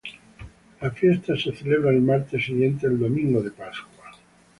La fiesta se celebra el martes siguiente al domingo de Pascua.